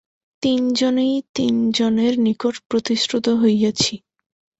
তিন জনেই তিন জনের নিকট প্রতিশ্রুত হইয়াছি।